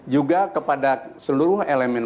juga kepada seluruh elemen